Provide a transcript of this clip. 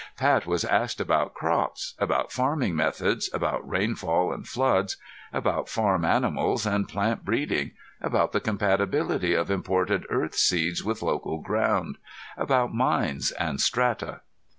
Pat was asked about crops, about farming methods, about rainfall and floods, about farm animals and plant breeding, about the compatibility of imported Earth seeds with local ground, about mines and strata.